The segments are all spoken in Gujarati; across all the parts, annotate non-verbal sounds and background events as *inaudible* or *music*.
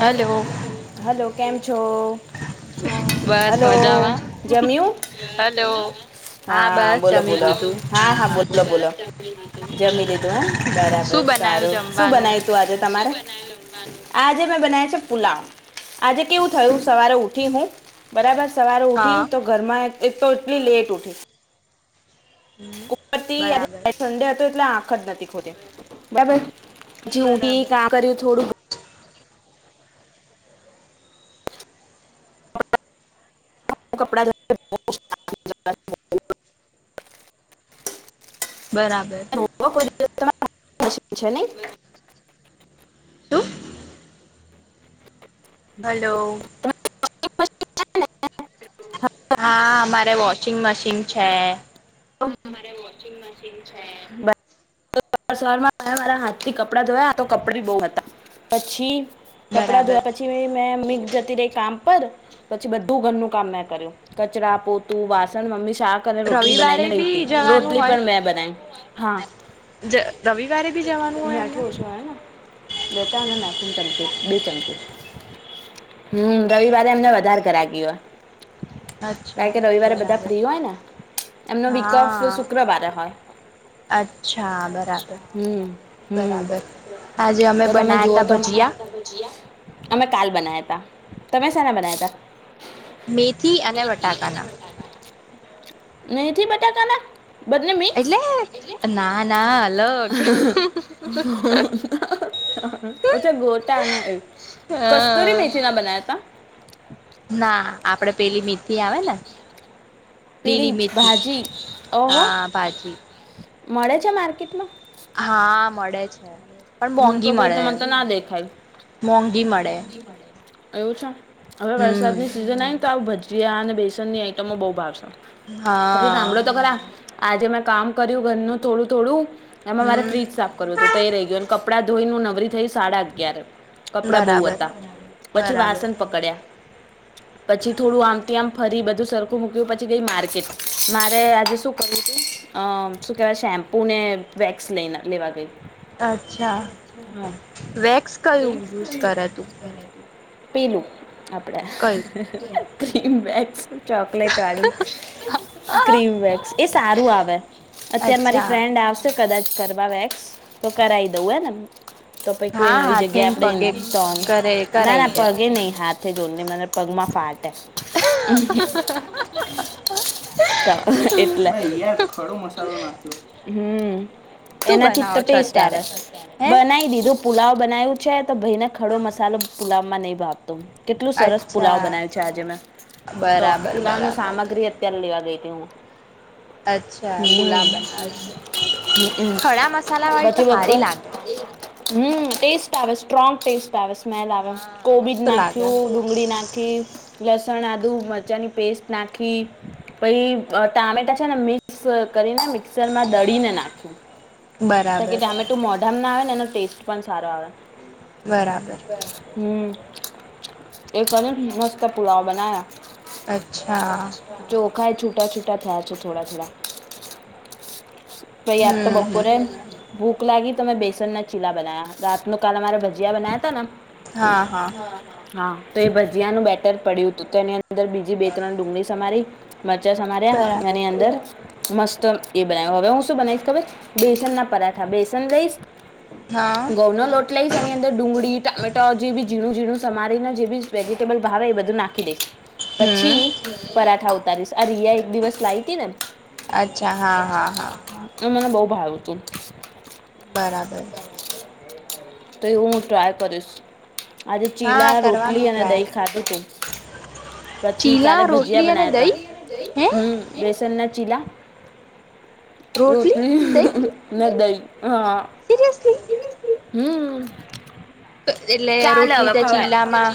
હલો હલો કેમ છો? હ. હલો જમ્યુ બસ હલો મજામાં. હા બસ બોલો જમી બોલો લીધું હા હા બોલો બોલો. જમી લીધું હમ શું બરાબર બનાયું સારું શું જમવાનું બનાય તું આજે તમારે. આજે મેં બનાવ છે પુલાવ આજે કેવું થયું સવારે ઉઠી હું. બરાબર સવારે ઉઠી હા તો ઘરમાં તો એટલી લેટ ઉઠી. ઉપરથી બરાબર આજે સંડે હતો એટલે આંખ જ નથી ખોલી બરાબર. જે ઉઠી બરાબર કામ કર્યું થોડું કપડા ધોયા. બરાબર. *unintelligible* છે ને નઈ. શું. હલો. હા અમારે વોશિંગ મશીન છે. મારે વોશિંગ મશીન છે. સવારમાં મારા હાથ થી કપડા ધોયા તો કપડા બહુ હતા પછી કપડા બરાબર ધોયા પછી મેં મિઘ જતી રહી કામ પર. પછી બધું ઘરનું કામ મે કર્યું કચરા, પોતું, વાસણ મમ્મી શાક કને રોટલી રવિવારે બનાવીને રહીતી બી જવાનું રોટલી હોય પણ મે બનાવી હા. જ રવિવારે બી જવાનું હોય એમને મેંઠું છના. બે ત અને મા આઠન ચમચી બે ચમચી. હમ રવિવારે એમને વધારે ગરાગી હોય. કાર અચ્છા કે રવિવારે બધા બરાબર ફ્રી હોય ને. એમનો વિકલ્પ શુક્રવારે હોય. હ *inaudible* અરછા હમ હમ બરાબર આજે અમે તો તમે બનાયા જુઓ તા તો ભજીયા ગયા? અમે કાલ બના્યા ત તમે શના બના્યા મેથી ત અને બટાકાના મેંથી બટાકાના બન્ને મિક્સ એટલે ના ના હાલો.. ઓછા ગોટના. કસ્તુરી હા મેથીી ના બનાયા ત. ના આપડે પેલી મીથી આવે ને. લીલી પેલી જ મેથી ભાજી ઓહો હા ભાજી. મળે છે માર્કેટમાં. હા મળે છે. પણ હું મોંઘી તો ગઈ મળે તો મને તો ના દેખાયુ. મોંઘી મળે એવું છે હવે વરસાદની હમ સિઝન આવે ને તો આવ ભજીયા અને બેસનની આઈટમો બહુ ભાવશે. પછી હા સાંભળો તો ખરા. આજે મેં કામ કર્યું ઘરનું થોડું થોડું અને મારે ફ્રીજ હમ સાફ કર્યું હત તો રે ગ્યુ. કપડા ધોઈ ન નવરી થઈ સાડા અગિયાર. કપડા બહુ બરાબર હતા પછી વાસણ પકડ્યા હ *inaudible* પછી થોડું આમથી આમ ફરી બધું સરખું મૂક્યું પછી ગઈ. માર્કેટ મારે આજે શું કરું હતું અ શું કેહેવાય શેમ્પુ ને વેક્સ લ લેવા ગય. હ અચ્છા વેક્સ કયું યુઝ કરે તું પીનું *inaudible* આપડે કયું ક્રીમ બેક્સ ચોકલેટ વાળી. ક્રીમ વગસ એ સારું આવે. અત્યારે મારી અચ્છા ફ્રેન્ડ કદાચ કરવાવેક્સ. કરાઈ દઉ એને. તો પ કોઈ હા નવી જગ્યા હાથેને આપડે પગે તો કરે ના કરાઈ ના દે પગે નહીં હાથ. દો મબ પગમા ફાટ. એટલે ખડો મસાલો નાખ હમ. શું એનાથી જ બનાવો તો છો ટેસ્ટ અત્યારે આવે હે બનાવી દીધું પુલાવ બનાવ્યું છે. તો ભાઈને ખડો મસાલો પુલાવમાં નહીં ભાતો. કેટલું સરસ અચ્છા પુલાવ બનાવ્યું છે આજે મેં. તો બરાબર પુલાવ ન બરાબર સામગ્રી ચ લેવા ગઈ હતી હું અચ્છા પુલાવ હમ બનાવે છે હમમ. ખડા મસાલા વાળી તો હારી લાગે હમસ્ટ આવે સ્ટ્ર ટસ્ટ આવે. સ્લ આવે કોડ હા મસ્ત નાખ લાગે ડુંગળી નાખી લસણ આદુ મરચાની પેસ્ટ નાખી. પછ ટામેટા છે ને મિક્સ કરીને મિક્સર માં દળીને નાખ્યું. ત કે બરાબર ટામેટું મોડર્મ ના આવે ને એનો ટેસ્ટ પણ સારો આવે. બરાબર. હમ એક મસ્ત પુલાવ બનાયા. અચ્છા. ચોખા છૂટા છૂટા થયા છે થોડા થોડા. કઈ યાદ તો હમ હમ બપોરે ભૂખ લાગી તો મેમે બેસન ના ચીલા બનાયા. રાતનું કાલ અમારા ભજીયા બનાયા તા ને હા હા હા તો એ ભજીયાનું બેટર પડ્યું હતું તો એનીંદર. અર બીજી બે ત્રણ ડુંગળી સમારી મરચાં સમાર્યા બરાબર એની અંદર મસ્ત એ બનાવ હવે હું શું બનાવીશ ખર બેસન ના પરાઠા બેસન રઈશ હા ગૌઉના લોટ એટલા એની અંદર ડુંગળી ટામેટો જે બી ઝીણું ઝીણું સરીને જે બી વેજીિટેબલ ભાવે એ બધું નાખી દઈ પછી હમ પરાઠા ઉતારીશ આ રિયા એક દિવસ લાવી હતીી ને અચ્છા હા હા હા એ મને બહ ભાવું તું બરાબર તેૈ ઉંટ આય પરદેશ આજે હા ચીલા કરવાનું રોટલી અને ટ્રાય દહીં ખાતું છેું પછી કાલે ચીલા ભજીયા રોટલી અને બનાયા દહીં ત હે હમ બેસન ના ચીલા રોટલી રોટની દહીં નદઈ હા સિરિયસલી હમ એટલે ચાલ રોટલી હવે તો ખાવા ચીલામાં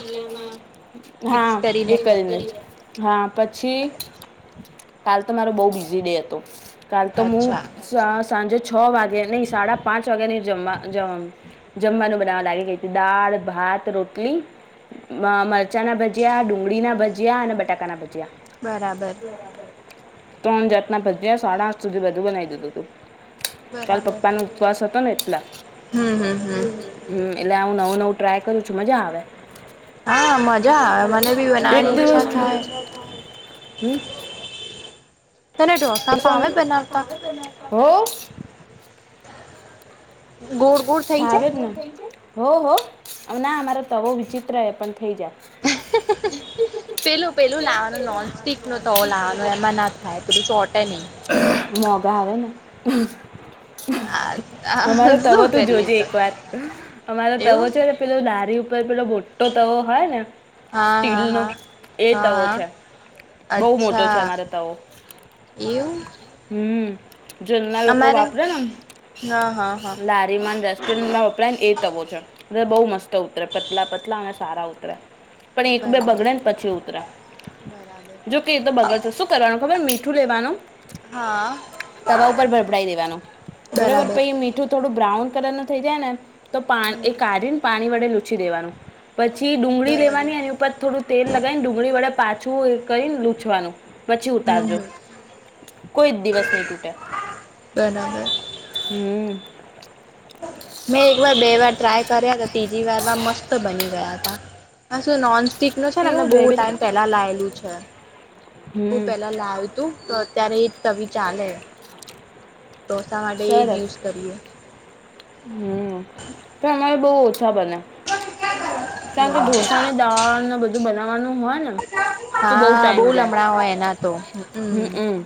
મિક્સ હા કરીને એક જ ખાધી મિનિટ હા પછી કાલ તો મારો બહુ બિઝી ડે હતો. કાલ તો હું અચ્છા સાંજે છ વાગે નહી સાડા પાંચ વાગ્યા ની જમવા જવાનું જમવાનું બનાવવા લાગી ગય હતી દાળ ભાત રોટલી મરચાં ના ભજીયા ડુંગળી ના ભજીયા અને બટાકા ના ભજીયા બરાબર ત્રણ જાતના ભજ્યા સાડા આઠ સુધી બધું બનાવી દીધું તું ચાલ બરાબર પપ્પા નો ઉપવાસ હતો ને એટલા હમ હમ હમ હમ એટલે હું નવું નવું ટ્રાય કરું છું મજા આવે હા મજા આવે મને બી એક બનાવવાની ઈચ્છા દિવસ થાય હમ તને ઢોસા ફાવે વાી બનાવતા હો *inaudible* ગોળ થઈ જાય ભાવને હો હો ના અમારે તો બ વિચિત્ર પણ થઈ જાય પેલું પેલું લાવાનું નોન સિક નું તો લાવાનું એમાં હા પછી ચોટે નહી. મોગા આવેને. અમારો તવો શું તું કરીએ જોજે તો એક વાર અમારો તવો એવું છે ને પેલો લારી ઉપર પેલો મોટો તવો હોય ને હા સ્ટીલ હા નો હા એ હા તવો હા છે બહું મોટો છે અચ્છા અમારો તવો. એવું. હમ્મ જલના લોકો અમારે વાપરે ને એમ હા હા હા લા રીમા અને રેસ્ટોરેન્ટમાં વપરાય ને એ તવો છે. એ બહુ મસ્ત ઉતરે પતલા પતલા અને સારા ઉતરે પણ એક બે બરાબર બગડે ને પછી ઉતરે. બરાબર જોકે એ તો બગર સે શું કરવાનું ખબર મીઠું લેવાનું હા તવા ઉપર ભરભડાઈ દેવાનું બરોબર બરાબર પછી મીઠું થોડું બ્રાઉન કલર નું થઈ જાય ને તો પા હમ એ કાઢીને પાણી વડે લૂછી દેવાનું પછી ડુંગળી બરાબર લેવાની એની ઉપર થોડું તેલ લગાવી ને ડુંગળી વડે પાછું એ કરીને લૂછવાનું પછી હમ ઉતારજો હમ કોઈ દિવસ નહી તૂટેએ બરાબર. હમ્મ. મેં એકવાર બે વાર ટ્રાય કર્યા તો ત્રીજી વારમાં મસ્ત બની ગયા હતા હ શું નોન્સ સ્ટીક નું છે ને અને એવું જ બહુ હોય ટાઈમ પેલા લાયેલું છે. *unintelligible* હમ પેલા લાયું તું તો અત્યારે એ જ તવી ચાલે હે. ઢોસા માટે એ જ યુઝ કરીએ. હમ્મ પણ અમાર બહુ ઓછા બને. કારણ કે ઢોસા ને દાળ ને બધું બનાવવાનું હોય ને તો હા ટાઈમ બહુ જાય લમણા હોય એના તો હમ્મ. હમ હમ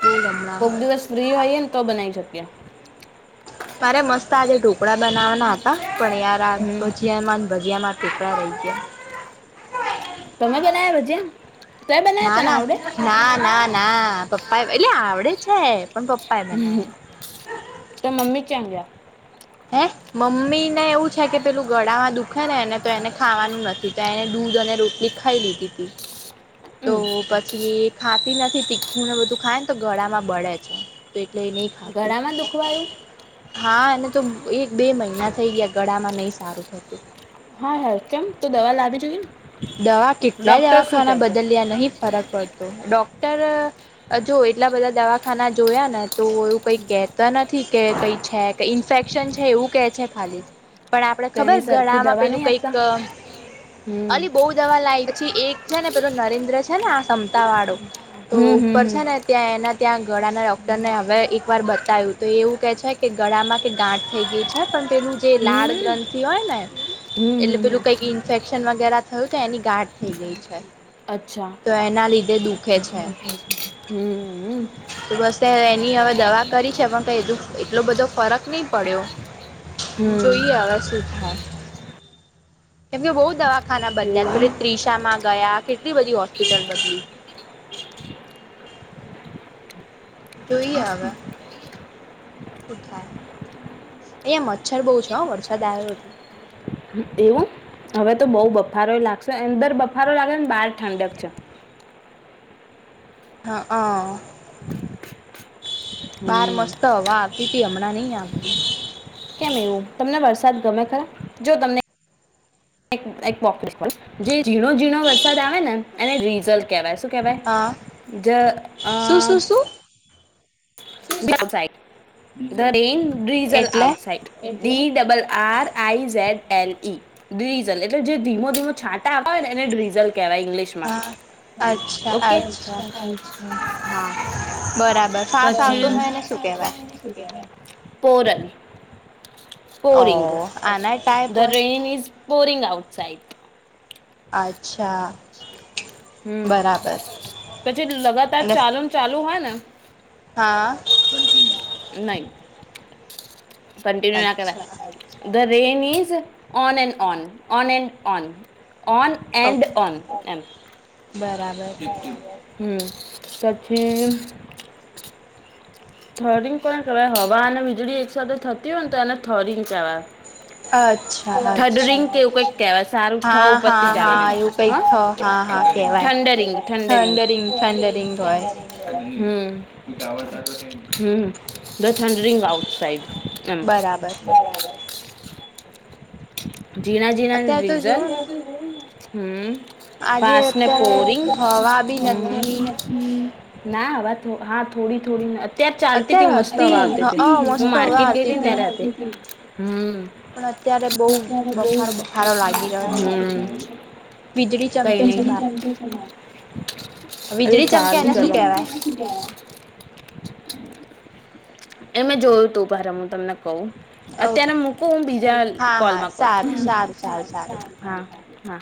બહુ લમણાં કોઈક હોય. દિવસ ફ્રી હોઈએ ને તો બનાઈ શકીએ. મારે મસ્ત આજે ઢોકળા બનાવવાના હતા, પણ યાર આ હમ ભજીયામાંન ભજીયામાં *inaudible* રઈ ગયા. તમે બનાયવા ભજીયા તે બનાવ્યા તને આવડે ના-ના-ના-ના-ના, પપ્પાએ, એટલે આવડે છે પણ પપ્પાએ બનાયા. તો મમ્મી ચ્યા ગ્યા? હે? મમ્મી ને એવું છે કે પેલું ગળામાં દુખે ને એને, તો એને ખાવાનું નથી, તો એને દૂધ અને રોટલી ખ ખાઈ લીધી તી. તો હમ પછી ખાતી નથી, તીખું ને બધું ખાય ને તો ગળામાં બળે છે. તો એટલે એ નહીં ખાતી. ગળામાં દુખવાયું હા એને તો એક બે મહિના થઈ ગયા, ગળામાં નહી સારું થતું. હાય-હાય કેમ? તો દવા લાવી જોઈએ ને. દવા કેટલાય દવાખાના બદલ્યા નહીં ફરક પડતો. ડોક્ટર જો એટલા બધા દવાખાના જોયા ને તો એવું કંઈ કહેતા નથી કે કંઈ છે, ઇન્ફેક્શન છે એવું કે છે ખાલી. પણ આપણે ખબર તેની સરખી ગળામાં દવા પેલું નહીં કંઈક આપતા હમ અલી બહુ દવા લાઈ, પછી એક છે ને પેલો નરેન્દ્ર છે ને આ સમતાં વાળો તો હમ ઉપર હમ છે ને ત્યાં એના ત્યાં ગળાના ડોક્ટરને હવે એકવાર બતાયું, તો એવું કહે છે કે ગળામાં કે ગાંઠ થઈ ગઈ છે. પણ તેનું જે હમ લાળ હમ ગ્રંથિ હોય ને હમ એટલે હમ પેલું હમ કંઈક ઇન્ફેક્શન વગેરા થયું તો એની ગાંઠ થઈ ગઈ છે. અચ્છા, તો એના લીધે દુખે છે હમ્મ-હમ્મ. તો બસ હવે એની હવે દવા કરી છે, પણ કાઈ હજું એટલો બધો ફર રક નહીં પડ્યો. હમ જોઈએ હવે શું થાય. કેમ કે બઉ દવાખાના બદલ્યા, એવું પેલી ત્રીશામાં ગયા, કેટલી બધી હોસ્પિટલ બદલી. જોઈએ હવે. શું થાય. અહીંયા મચ્છર બહુ છે હો વરસાદ આયો એટલે. એવું? હવે તો બઉ બફારોય લાગશે, અંદર બફારો લાગે ને બહાર ઠંડક છે. અહં. બાર હમ મસ્ત હવા આવ પીતી હમણાં નહીં આવતી. કેમ એવું? તમને વરસાદ ગમે ખરા? જો તમને *unintelligible* જે ઝીણો-ઝીણો વરસાદ આવે ને એને રીઝલ કહેવાય. શું હા કહેવાય? જ શું અહ શું શું *unintelligible* ધર ઈન રિઝલ એટલે outside. D double R I Z L E drizzle, એટલે જે ધીમો-ધીમો છાટ *inaudible* હોય ને એને ડ્રીઝલ કહેવાય ઇંગ્લિશમાં. હા અચ્છા ઓકે? અચ્છા હા. બરાબર. ફાસ્ટ પછી આવતો હોય એને શું કહેવાય? *inaudible* પોરલ, પોરિંગ. ઓ ઓફ આના ટાઈપ ધ હોય rainy is pouring outside. અચ્છા. હમ્મ. બરાબર પછી લગાતાર અને ચાલુન ચાલુ હોય ને હા. નહી કન્ટિન્યુ ના કેવાય. અચ્છા the rain is on and on, on and on, on and okay on. એમ. બરાબર હમ્મ. પછી થરિંગ કોને કહેવાય, હવા અને વીજળી એક સાથે થતી હોય ને તો એને થરીંગ કહેવાય. અચ્છા થડરિંગ અચ્છા કેવું કઈક કેવા સારું થ હા હા પતી જ આવે. હા એવું હ કઈક થ હા હા કેવાય thundering thundering thundering thundering હોય હમ હમ. ધ થંડરિંગ આઉટસાઈડ એમ. બરાબર ઝીણા ઝીણા અત્યારે તો જોવ ડ્રીઝલ ને હમ. આજે પાસને અત્યારે પોરી હવા બી હ. નથી હ ના હવે હા થોડી થોડી, ત્યારે ચાલતી હતી અત્યારે મસ્ત હ વા આવતી હું મસ્ત હવા માર્કેટ આવતી ગેતી ને હતી ત્યારે હમ પણ અત્યારે બહુ બફારો અત્યારે બફારો લાગી રહ્યો છે હમ વીજળી કઈ ચમકે છે નઈ બાર એ વીજળી ચમકે સારૂ એને શું કેહેવાય ચલો. એ મે જોયું તું ભારે હું તમને કહું અત્યારે મૂકું હું બીજા હા હા કોલમાં ક સારું સારું સારું સારું હા હા